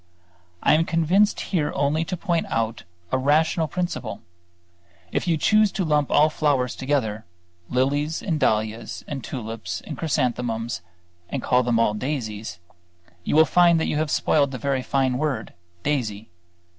I am convinced here only to point out a rational principle. If you choose to lump all flowers together, lilies and dahlias and tulips and chrysanthemums and call them all daisies, you will find that you have spoiled the very fine word daisy.